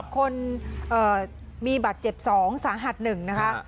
คนเอ่อมีบาดเจ็บสองสาหัสหนึ่งนะคะ